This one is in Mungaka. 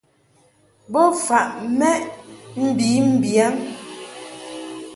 Bo faʼ mɛʼ mbi mbiyaŋ.